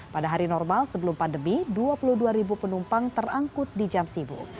pada hari normal sebelum pandemi dua puluh dua penumpang terangkut di jam sibuk